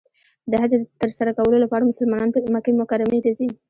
د حج تر سره کولو لپاره مسلمانان مکې مکرمې ته ځي .